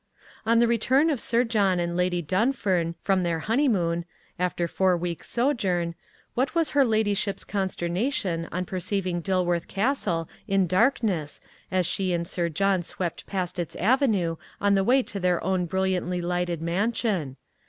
On the return of Sir John and Lady Dunfern from their honeymoon, after four weeks sojourn, what was her ladyship's consternation on perceiving Dilworth Castle in darkness as she and Sir John swept past its avenue on their way to their own brilliantly lighted mansion?